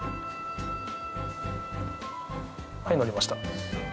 はい乗りました。